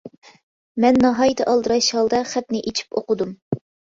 مەن ناھايىتى ئالدىراش ھالدا خەتنى ئېچىپ ئوقۇدۇم.